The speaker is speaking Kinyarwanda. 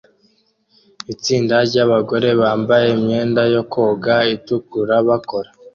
Itsinda ryabagore bambaye imyenda yo koga itukura bakora